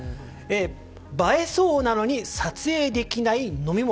映えそうなのに撮影できない飲み物。